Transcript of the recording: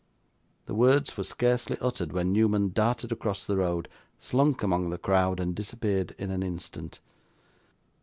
The words were scarcely uttered when Newman darted across the road, slunk among the crowd, and disappeared in an instant.